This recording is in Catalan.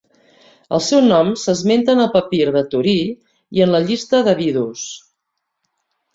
El seu nom s'esmenta en el papir de Torí i en la llista d'Abidos.